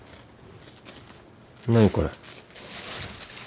何これ。